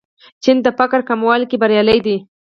چین د فقر کمولو کې بریالی دی.